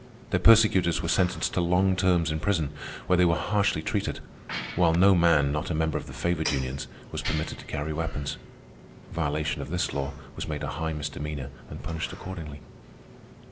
Their persecutors were sentenced to long terms in prison, where they were harshly treated; while no man, not a member of the favored unions, was permitted to carry weapons. Violation of this law was made a high misdemeanor and punished accordingly.